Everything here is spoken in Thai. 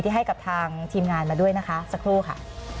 ให้กับทางทีมงานมาด้วยนะคะสักครู่ค่ะ